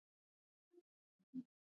کابل د افغانستان د انرژۍ سکتور برخه ده.